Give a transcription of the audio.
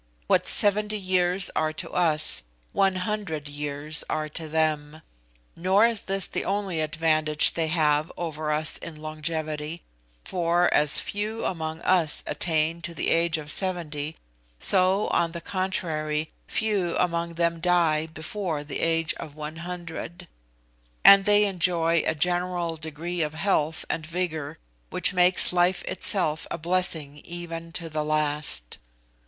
What seventy years are to us, one hundred years are to them. Nor is this the only advantage they have over us in longevity, for as few among us attain to the age of seventy, so, on the contrary, few among them die before the age of one hundred; and they enjoy a general degree of health and vigour which makes life itself a blessing even to the last.